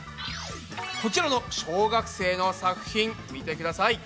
こちらの小学生の作品見てください。